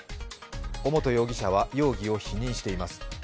尾本容疑者は容疑を否認しています。